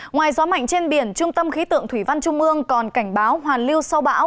ngoài gió mạnh trên biển trung tâm khí tượng thủy văn trung ương còn cảnh báo hoàn lưu sau bão